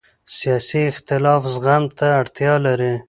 سیاسي اختلاف زغم ته اړتیا لري